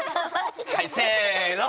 はいせの。